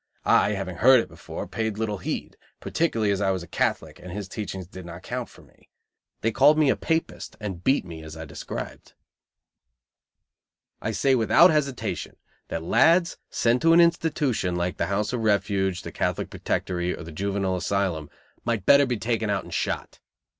I, having heard it before, paid little heed; particularly as I was a Catholic, and his teachings did not count for me. They called me a "Papist," and beat me, as I described. I say without hesitation that lads sent to an institution like the House of Refuge, the Catholic Protectory, or the Juvenile Asylum, might better be taken out and shot.